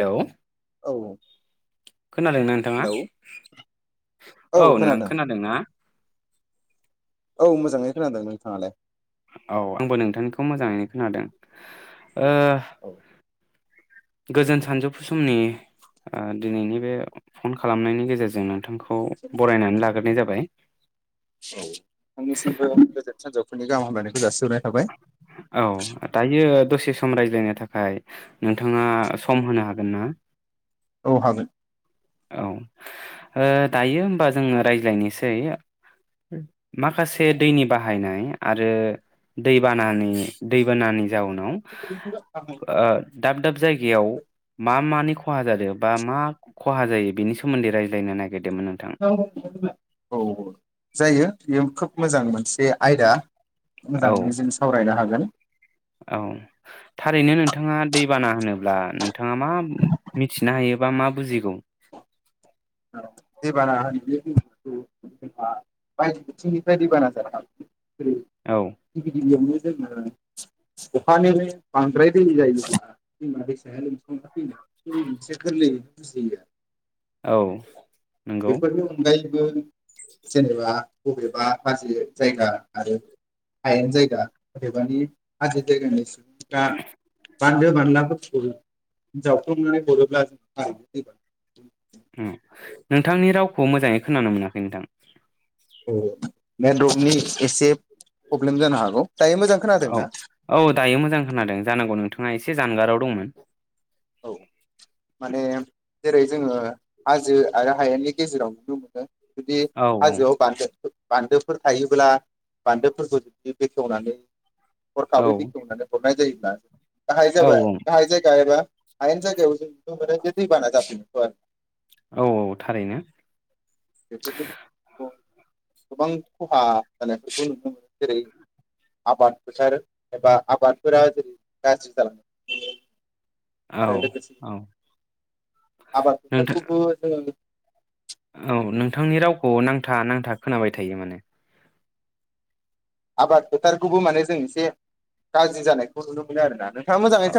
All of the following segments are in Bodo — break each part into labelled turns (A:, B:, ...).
A: हेलौ
B: औ
A: खोनादोंना नोंथाङा?
B: हेलौ
A: औ नोंथां खोनादोंना?
B: औ मोजाङै खोनांदों। नोंथाङालाय?
A: औ आंबो नोंथांनिखौ मोजाङैनो खोनादों। ओ
B: औ
A: गोजोन सानजौफु समनि ओ दिनैनि बे फन खालामनायनि गेजेरजों नोंथांखौ खौ बरायनानै लाग्रोनाय जाबाय।
B: औ नोंथांनिसिमबो गोजोन सानजौफोरनि गाहाम हामलायनायखौ जासिबाय।
A: औ दायो दसे सम रायज्लायनो थाखाय थाखाय नोंथाङा सम होनो हागोन ना?
B: औ हागोन।
A: औ दायो होनबा जोङो रायज्लायनोसै माखासे दैनि बाहायनाय आरो दैबानानि दैबानानि जाउनाव ओ दाब दाब जायगायाव मा मानि [unintelligible] खहा जादों बा मा खहा जायो बेनि सोमोन्दै रायज्लायनो नागिरदों।
B: औ औ जायो बेयो खोब मोजां मोनसे आयदा।
A: औ
B: मोजाङै जों सावरायनो हागोन।
A: औ थारैनो नोंथाङा दैबाना होनोब्ला नोंथाङा मा मिथिनो हायोबा मा बुजिगौ?
B: दैबाना [unintelligible] बायदि बिथिंनिफ्राय दैबाना जानो हागौ।
A: औ
B: [unintelligible] गिबि गिबियावनो जोङो अखानिबो बांद्राय दै जायोब्ला दैमा दैसाया लोमसां फैनाय जों मोनसे गोरलैयैनो बुजियो आरो
A: औ नंगौ।
B: अनगायैबो जेनेबा बबेबा हाजो जायगा आरो हायेन जायगा अबेबानि हाजो जायगानि सुबुं दा बान्दो बानलाखौ हि जावफ्लंनानै हरोब्ला जों माने [unintelligible]
A: नोंथांनि रावखौ मोजाङै खोनानो मोनाखै नोंथां।
B: औ नेटवर्कनि एसे प्रब्लेम जानो हागौ। दायो मोजां खोनादों
A: औ
B: ना
A: औ दायो मोजां खोनादों जानांगौ नों नोंथाङा एसे जानगाराव दंमोन।
B: औ माने जेरै जोङो हाजो आरो हायेननि गेजेराव नुनो मोनो। जुदि
A: औ
B: हाजोआव [unintelligible] बान्दोफोर थायोब्ला बान्दोफोरखौ जुदि बेखेवनानै
A: औ
B: हरखाबै बेखेवनानै हरनानाय जायो। [unintelligible] गाहाय
A: औ
B: जाबाय गाहाय‌ जायगा एबा हायेन जायगायाव जों उनदुनायजों दैबाना जाजोबाय
A: औ औ थारैनो।
B: बेफोरनि गेजेरजों गोबां खहा जानायफोरखौ नुनो मोनो जेरै आबाद फोथार एबा आबादफोरा जेरै गाज्रि जालाङो।
A: औ
B: आरो लोगोसे
A: औ
B: आबाद
A: नोंथां
B: फोथारखौबो जो
A: औ नोंथांनि रावखौ नांथा नांथा खोनाबाय थायो माने ।
B: आबाद फोथारखौबो माने जों एसे गाज्रि जानायखौ नुनो मोनो आरोना ।
A: अ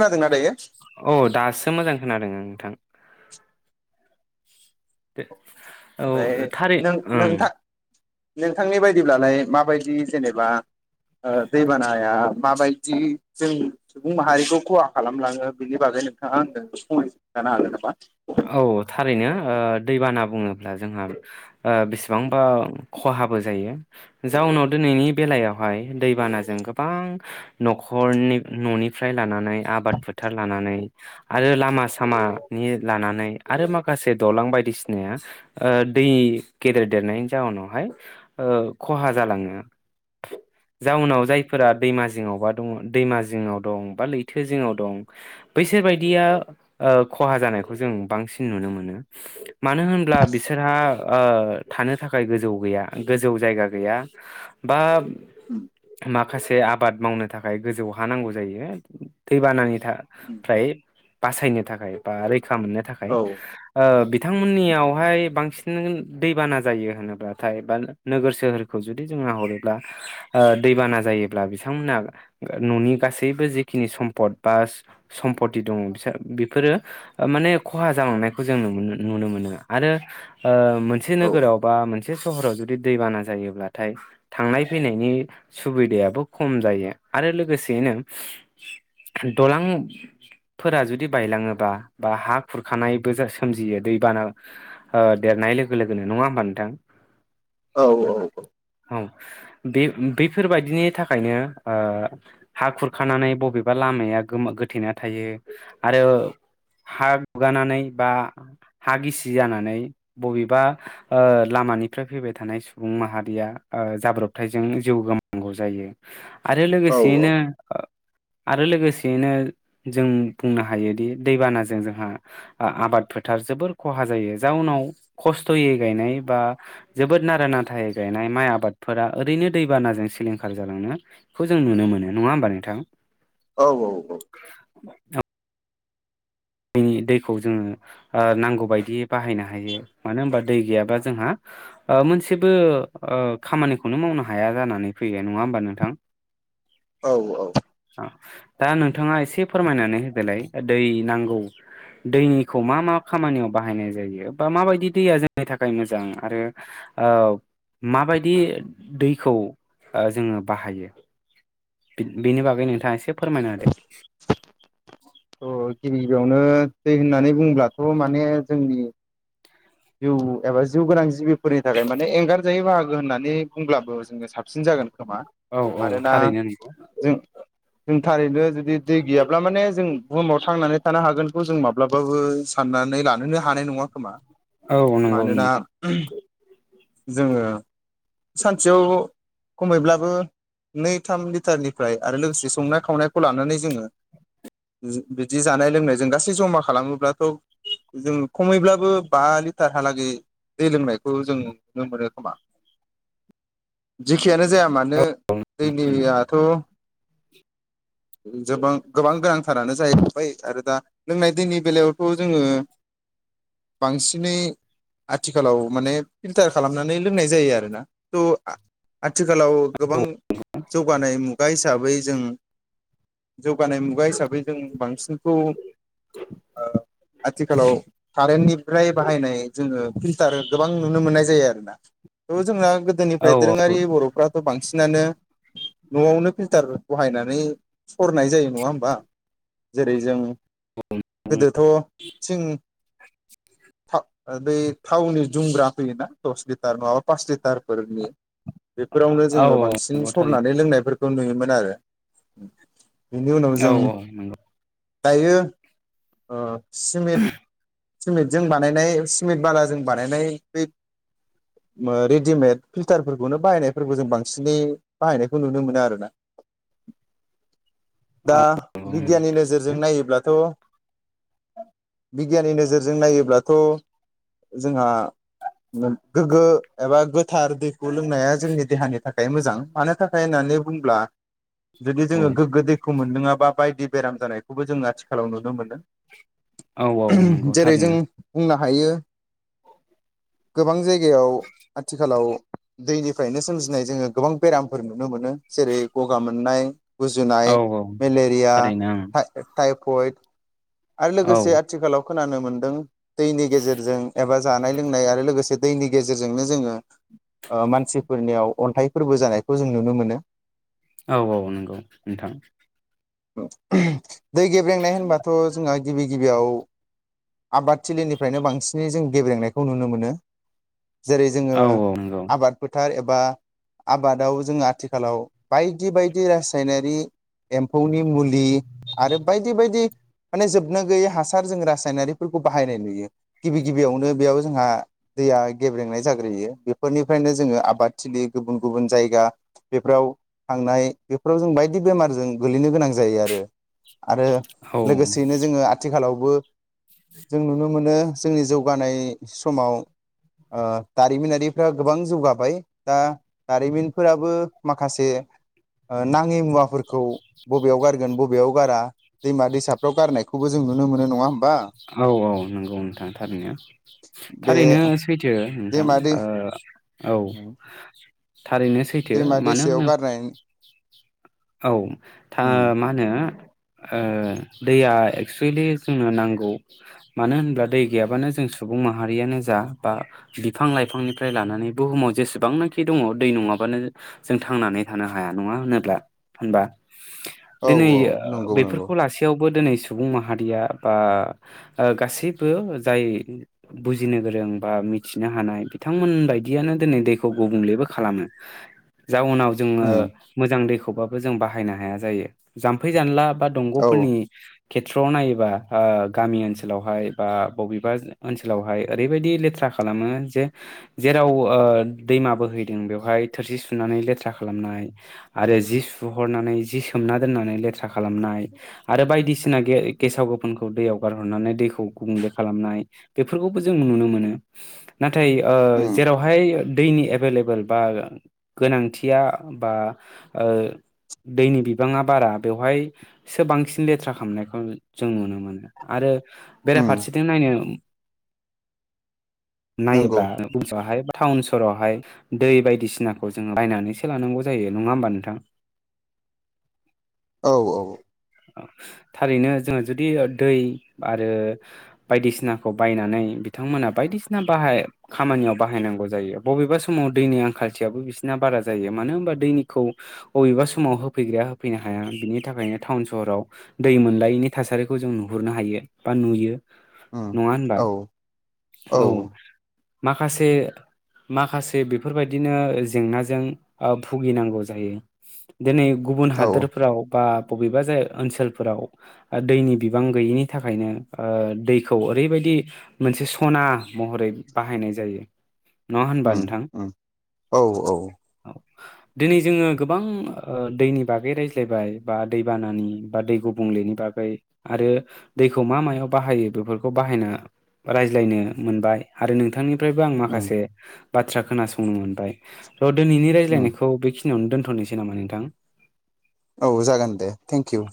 A: औ दासो मोजां खोनादों नोंथां । दो
B: ओमफ्राय
A: औ थारै
B: नों
A: ओं
B: नोंथां नोंथांनि बायदिब्लालाय माबायदि जेनेबा ओ दैबानाया माबायदि जों सुबुं माहारिखौ खहा खालामलाङो बेनि बागै नोंथाङा आंनो फहाय थानो हागोन नामा?
A: औ थारैनो ओ दैबाना बुङोब्ला जोंहा आ बिसिबांबा खहाबो जायो । जाउनाव दिनैनि बेलायावहाय दैबानाजों गोबां न'खरनि न'निफ्राय लानानै आबाद फोथार लानानै आरो लामा सामानि लानानै आरो माखासे दालां बायदिसिनाया ओ दै गेदेर देरनायनि जाउनावहाय ओ खहा जालाङो । जाउनाव जायफोरा दैमा जिङावबा दङ दैमा जिङाव दं बा लैथो जिङाव दं बैसोर बदिया ओ खहा जानाय खौ जों बांसिन नुनो मोनो । मानो होनब्ला बिसोरहा ओ थानो थाखाय गोजौ गैया गोजौ जायगा गैया बा माखासे आ बाद मावनो थाखाय गोजौ हा नांगौ जायो । दैबानानि था प्राय बासायनो थाखाय बा रै खा मोननो थाखाय
B: औ
A: ओ बि थांमोननियावहाय बांसिन दैबाना जायो । होनोब्लाथाय बा नोगोर सोहोरखौ जुदि जों नाहरोब्ला ओ दैबाना जायोब्ला बिथांमोना न'नि गासैबो जिखिनि सम्पद बा सम्पत दङ बि बेफोरो माने खहा जालांनायखौ जों नुनो मोनो । आरो ओ मोनसे
B: औ
A: नोगोरावबा मोन से सहराव जुदि दैबाना जायोब्लाथाय थांनाय फैनायनि सुबिदायाबो खम जायो । आरो लोगोसेैनो दलांफोरा जुदि बायलाङोबा बा हा खुरखानायबो जा सोमजियो दैबाना ओ देरनाय लोगो लोगोनो नङा होमबा नोंथां?
B: औ औ औ
A: औ
B: ।
A: बे बैफोरबायाददिनि थाखायनो ओ हा खुरखानानै बबेबा लामाया गोमा गोथेना थायो आरो हा गुगानानै बा हा गिसि जानानै बबेबा ओ लामानिफ्राय फैबाय थानाय सुबुं माहारिया ओ जाब्रबथायजों जिउ गोमानांगौ जायो । आरो
B: औ
A: लोगोसेयैनो ओ आरो लोगोसेयैनो जों बुंनो हायोदि दैबानाजों जोंहा आ आबाद फोथार जोबोर खहा जायो जाउनाव खस्थ'यै गायनाय बा जोबोद नारा नाथायै गायनाय माइ आबादफोरा ओरैनो दैबानाजों सिलिंखार जालांनो बेखौ जों नुनो मोनो नङा होमबा नोंथां?
B: औ औ औ ।
A: दिनै दैखौ जोङो ओ नांगौ बायदियै बाहायनो हायो मानो होनबा दै गैयाबा जोंहा ओ मोनसेबो ओ खामानिखौनो मावनो हाया जानानै फैयो नङा होमबा नोंथां?
B: औ औ ।
A: दा नोंथाङा एसे फोरमायनानै होदोलाय दै नांगौ दैनिखौ मा मा खामानियाव बाहायनाय जायो बा माबायदि दैया जोंनि थाखाय मोजां आरो ओ माबायदि दैखौ जोङो बाहायो? बि बेनि बागै नोंथाङा एसे फोरमायना होदो?
B: थ' गिबि गिबियावनो दै होननानै बुंब्लाथ' माने जोंनि जिउ एबा जिउ गोनां जिबिफोरनि थाखाय माने एंगारजायो बाहागो होननानै बुंब्लाबो जोङो साबसिन जागोन । खोमा
A: औ औ
B: मानोना
A: थारैनो नंगौ
B: जों जों थारैनो जुदि दै गैयाब्ला माने जों बुहुमाव थांनानै थानो हागोन खौ जों माब्लाबाबो साननानै लानोनो हानाय नङा खोमा ।
A: औ नंगौ
B: मानोना
A: नोंथां
B: [unintelligible] जोङो सानसेयाव खमैब्लाबो नै थाम लिटारनिफ्राय आरो लोगोसे संनाय खावनायखौ लानानै जोङो बिदि जानाय लोंनाय जों गासै जमा खालामोब्लाथ' जों खमैब्लाबो बा लिटारहालागै दै लोंनायखौ जों नुनो मोनो खोमा जेखियानो जाया मानो
A: थारैनो
B: दैनियाथ' [unintelligible] गोबां गोनांथारानो जाहैबाय आरो दा लोंनाय दैनि बेलायावथ' जोङो बांसिनै आथिखालाव माने फिल्टार खालामनानै लोंनाय जायो आरोना थ' आथिखालाव गोबां जौगानाय मुगा हिसाबै जों जौगानाय मुगा हिसाबै जों बांसिनखौ ओ आथिखालाव कारेन्टनिफ्राय बाहायनाय जोङो फिल्टार गोबां नुनो मोननाय जायो आरोना [unintelligible] जोंना
A: औ
B: गोदोनिफ्राय
A: औ
B: दोरोङारि बर'फ्राथ' बांसिन [unintelligible] न'आवनो फिल्टार बहायनानै सरनाय जायो नङा होमबा जेरै जों गोदोथ' [unintelligible] [unintelligible] थावनि जुमग्रा फैयोना दस लिटार नङाबा पास लिटारफोरनि बेफोरावनो जोङो बांसिन
A: नंगौ थारैनो
B: सरनानै लोंनायफोर [unintelligible] दन्दुयोमोन आरो उम
A: औ औ नंगौ
B: दायो सिट सिमेन्टजों बानायनाय सिमेन्ट बालाजों बानायनाय मोदि जिमेथ फिलथारफोरखौनो बाहायनाय फोरखौ जों बांसिनोय बाहायनायखौ नुनो मोना आरो ना दा
A: औ
B: बिगियानिनि नोजोरजों नायोब्लाथ' बिगियाननि नोजोरजों नायोब्लाथ' जोंहा गोग्गो एबा गोथार दैखौ लोंनाया जोंनि देहानि थाखाय मोजां मानो थाखाय होननानै बुंब्ला जुदि जोङो गोग्गो दैखौ मोनदलोंआबा बायदि बेराम जानायखौबो जों आथिखालाव नुनो मोनो
A: औ औ
B: उ
A: नंगौ
B: जेरै जों
A: थारैनो
B: बुंना हायो गोबां जायगायाव आथिखालाव दैनिफ्रायनो सोमजिनाय जोङो गोबां बेरामफोर नुनो मोनो जेरै गगा मोन मोन्नाय
A: औ
B: गुजुनाय
A: औ
B: मेलेरिया
A: थारैनो
B: हा टाइपयड आरो लोगोसे
A: ओं
B: आथिखालाव खोनानो मोन्दों दैनि गेजेरजों एबा जानाय लोंनाय आरो लोगोसे दैनि गेजेरजोंनो जोङो मानसिफोरनियाव अन्थाइ फोरबो जानायखौ जों नुनो मोनो
A: औ औ नंगौ नोंथां
B: [unintelligible] दै गेब्रेंनाय होनबाथ' जोंहा गिबि गिबियाव आबादथिलिनिफ्रायनो बांसिनै जों गेब्रेंनायखौ नुनो मोनो जेरै जोङो
A: औ औ नंगौ
B: आबाद फोथार एबा बा आबादाव जोङो आथिखालाव बायक बायदि बायदि रासायनारि एम्फौनि मुलि आरो बायदि बायदि माने जोबनो गैयै हासार जों रासायनारिफोरखौ बाहायनाय नुयो गिबि गिबियावनो बेयाव जोंहा दैया गेब्रेंनाय जाग्रोयो बेफोरनिफ्रायनो जोङो आबादथिलि गुबुन गुबुन जायगा बेफोराव थांनाय बेफोराव जों बायदि बेमारजों गोलैनो गोनां जायो आरो आरो
A: औ
B: लोगोसेयैनो जोङो आथिखालाव बो जों नुनो मोनो जोंनि जौगानाय समाव ओ दारिमिनारिफ्रा गोबां जौगाबाय दा दारिमिनफोराबो माखासे ओ नाङि मुवाफोर खौ बबेयाव गारगोन बबेयाव गारा दैमा दैसाफ्राव गारनायखौबो जों नुनो मोनो नङा होम
A: औ औ नंगौ नोंथां थारैनो
B: बे
A: थारैनो सैथो नोंथां
B: दैमा दै
A: ओ औ थारैनो सैथो
B: दैमा
A: मानो
B: दैसायाव
A: होनो
B: गारनाय
A: औ था
B: उम
A: ओ मा होनो ओ दैया एक्सुवेलि जोंनो नांगौ मानो होन्ला दै गैयाबानो जों सुबुं माहारियानो जा बा बिफां लाइफांनिफ्राय लानानै बुहुमाव जेसेबांनाखि दङ दै नङाबानो जों थांनानै थानो हाया नङा होनोब्ला होनबा
B: औ
A: दिनै
B: औ नंगौ नंगौ
A: बेफोरखौ लासेैयावबो दिनै सुबुं माहारिया बा ओ गासैबो जाय बुजिनो गोरों बा मिथिनो हानाय बिथांमोन बादियानो दिनै दैखौ गुबुंलेबो खालामो जाउनाव जोङो
B: उम
A: मोजां दैखौ जों बाहायनो हाया जायो जाम्फै जानला बा
B: औ
A: दंग'फोरनि खेथ्रआव नायोबा ओ गामि ओनसोलावहाय बा बबेबा ओनसोलावहाय ओरैबायदि लेथ्रा खालामो जे जेराव ओ दैमा बोहैदों बेवहाय थोरसि सुनानै लेथ्रा खालामनाय आरो जि सु बुहरनानै जि सोमना दोननानै लेथ्रा खालामनाय आरो बायदिसिना गेस गेसाव गोफोनखौ दैयाव गारहरनानै दैखौ गुबुंले खालामनाय बेफोरखौबो जों नुनो मोनो नाथाय ओ
B: उम
A: जेरावहाय दैनि एभेलेबोेल बा गोनांथिया बा ओ दैनि बिबाङा बारा बेवहायसो बांसिन लेथ्रा खालामनायखौ जों नुनो मोनो आरो
B: उम
A: बेराफारसेथिं नायनो
B: नंगौ
A: नायोब्ला उन समावहाय टाउन सहरावहाय दै बायदिसिनाखौ जों बायनानैसो लानांगौ जायो नङा होमबा नोंथां
B: औ औ
A: थारैनो जोङो जुदि दै आरो बायदिसिनाखौ बायनानै बिथांमोना बायदिसिना बाहाय खामानियाव बाहायनांगौ जायो बबेबा समाव दैनि आंखालथियाबो बिसिना बारा जायो मानो होनबा दैनिखौ बबेबा सम समाव होफैग्राया होफैनो हाया बिनि थाखायनो टाउन सहराव दै मोनलायैनि थासारिखौ जों नुहुरनो हायो बा नुयो
B: औ
A: नङा होनबा
B: औ
A: माखासे माखासे बेफोरबायदिनो जेंनाजों ओ भुगिनांगौ जायो दिनै गुबुन
B: औ
A: हादोरफ्राव बा बबेबा जाय ओनसोलफोराव दैनि बिबां गैयिनि थाखायनो दैखौ ओरैबायदि मोनसे सना महरै बाहायनाय जायो नङा होनबा
B: उम
A: नोंथां
B: उम औ औ
A: औ दिनै जोङो गोबां दैनि बागै रायज्लायबाय बा दैबानानि बा दै गुबुंलेनि बागै आरो दैखौ मा मायाव बाहायो बेफोरखौ बाहायना रायज्लायनो मोनबाय आरो नोंथांनि फ्रायबो आं
B: उम
A: माखासे बाथ्रा खोनासंनो मोनबाय। र' दिनैनि
B: उम
A: रायज्लायनायखौ बेखि बेखिनियावनो दोनथ' नोसै नामा‌ नोंथां? नोंथां
B: औ जागोन दे थेंक इउ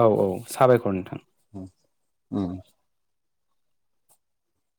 A: औ औ साबायखर नोंथां।
B: अ